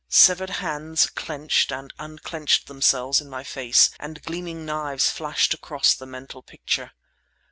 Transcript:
Severed hands clenched and unclenched themselves in my face, and gleaming knives flashed across the mental picture.